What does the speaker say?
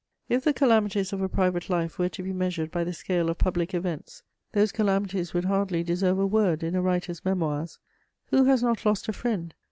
If the calamities of a private life were to be measured by the scale of public events, those calamities would hardly deserve a word in a writer's Memoirs. Who has not lost a friend?